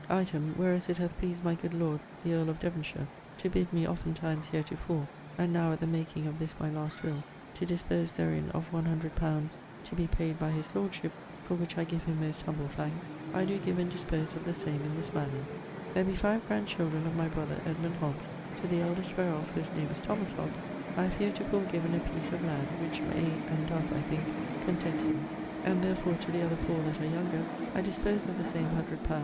Item, whereas it hath pleased my good lord, the earle of Devonshire, to bid me oftentimes heretofore, and now at the making of this my last will, to dispose therein of one hundred pounds, to be paid by his lordship, for which I give him most humble thanks; I doe give and dispose of the same in this manner: There be five grand children of my brother, Edmund Hobbes, to the eldest whereof, whose name is Thomas Hobbes, I have heretofore given a peece of land, which may and doth, I think, content him, and therefore to the other four that are younger, I dispose of the same 100 _li.